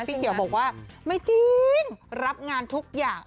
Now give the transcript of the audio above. พี่เขียวบอกว่าไม่จริงรับงานทุกอย่าง